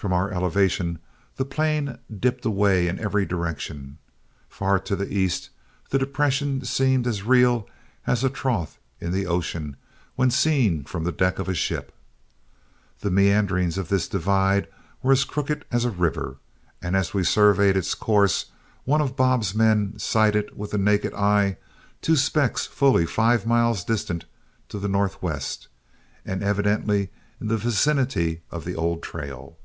From our elevation, the plain dipped away in every direction. Far to the east, the depression seemed as real as a trough in the ocean when seen from the deck of a ship. The meanderings of this divide were as crooked as a river, and as we surveyed its course one of Bob's men sighted with the naked eye two specks fully five miles distant to the northwest, and evidently in the vicinity of the old trail.